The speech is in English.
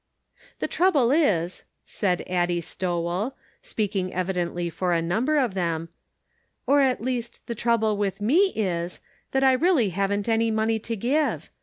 "The trouble is," said Addie Stowell, speaking evidently for a number of them, "or at the least the trouble with me is, that I really haven't any money to give.